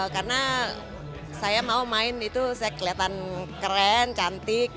karena saya mau main itu saya kelihatan keren cantik